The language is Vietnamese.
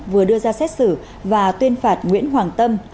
vừa đưa ra xét xử và tuyên phạt nguyễn hoàng tâm